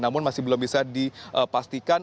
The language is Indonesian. namun masih belum bisa dipastikan